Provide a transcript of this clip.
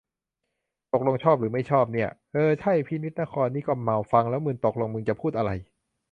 ตกลงชอบหรือไม่ชอบเนี่ย เออ ใช่ พินิจนครนี่ก็เมา ฟังแล้วมึน ตกลงมึงจะพูดอะไร